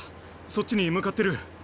そっちに向かってる。